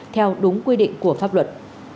theo đúng quy định của pháp luật